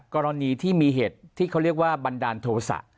กรณีที่มีเหตุที่เขาเรียกว่าบันดาลโทษะ